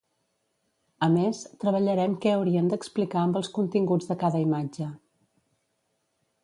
A més, treballarem què haurien d'explicar amb els continguts de cada imatge.